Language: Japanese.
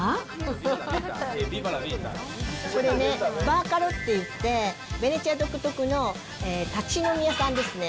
これね、バーカロっていって、ヴェネツィア独特の立ち飲み屋さんですね。